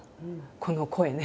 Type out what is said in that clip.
この声ね。